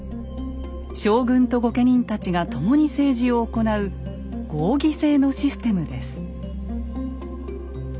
将軍と御家人たちが共に政治を行う合議制のシステムです。